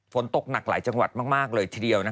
ฝนตกหนักหลายจังหวัดมากเลยทีเดียว